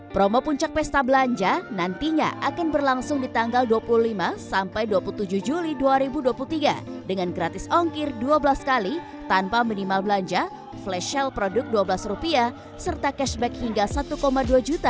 promo puncak pesta belanja nantinya akan berlangsung di tanggal dua puluh lima sampai dua puluh tujuh juli dua ribu dua puluh tiga dengan gratis ongkir dua belas kali tanpa minimal belanja flash sale produk rp dua belas serta cashback hingga rp satu dua juta